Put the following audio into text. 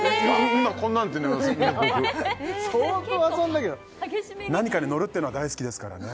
今こんなんで結構激しめに何かに乗るっていうのは大好きですからね